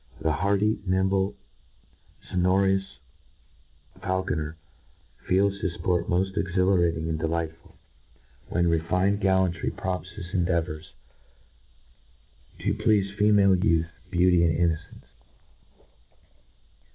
The hardy, nimble, fonorous faulconer, feels his fport moft exhilarating and delightful, when refined gallantry prompts his endeavours to pleafe fe male youth, beauty, and innocence.